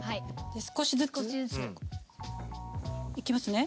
少しずつ。いきますね。